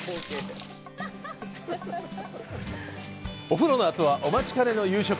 お風呂のあとは、お待ちかねの夕食！